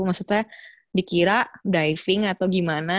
maksudnya dikira diving atau gimana